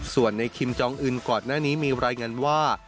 ส่วนในคิมจองอื่นก่อนหน้านี้มีรายงานว่า